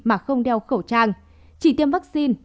mà không đeo khẩu trang chỉ tiêm vaccine